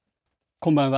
こんばんは。